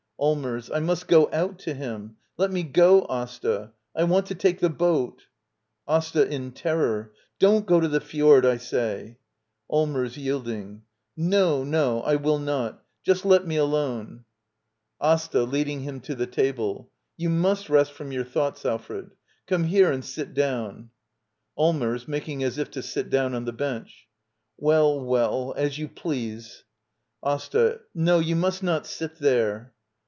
Allmers. I must go out to him! Let me go, Asta! I want to take the boat AsTA. [In terror.] Don't go to the fjord, I Allmers. [Yielding.] No, no — I will not Just let me alone. Digitized by VjOOQIC Act IL ^ LITTLE EYOLF AsTA. [Leading him to the table.] You must rest from your thoughts, Alfred. Onxie here and sit down. Allmers. [Making as if to sit down on the bench.] Well, well — as you please. AsTA. No, you must not sit there.